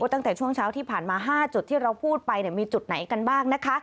ตั้งแต่ช่วงเช้าที่ผ่านมา๕จุดที่เราพูดไปมีจุดไหนกันบ้างนะคะ